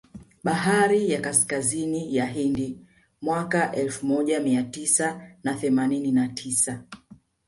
Bahari ya Kaskazini ya Hindi mwaka elfu moja mia tisa na themanini na tisa